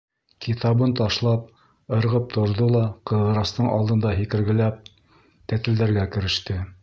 Китабын ташлап, ырғып торҙо ла Ҡыҙырастың алдында һикергеләп, тәтелдәргә кереште: